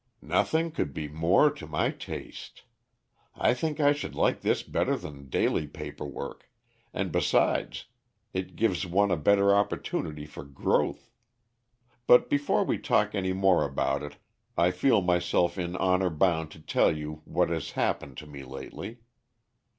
"Nothing could be more to my taste. I think I should like this better than daily paper work, and besides it gives one a better opportunity for growth. But before we talk any more about it I feel myself in honor bound to tell you what has happened to me lately.